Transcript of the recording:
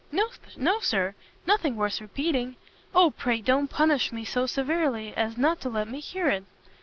"No, Sir, nothing worth repeating." "O pray don't punish me so severely as not to let me hear it!"